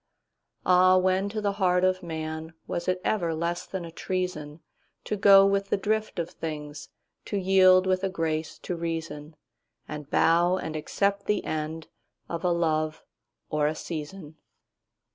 'Ah, when to the heart of manWas it ever less than a treasonTo go with the drift of things, To yield with a grace to reason, And bow and accept the endOf a love or a season?